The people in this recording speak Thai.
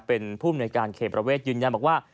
เป็นผู้มนวยการเขตประเวทยืนยันบอกว่า